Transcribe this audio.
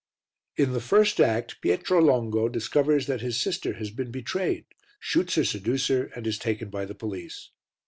In the first act Pietro Longo discovers that his sister has been betrayed, shoots her seducer and is taken by the police.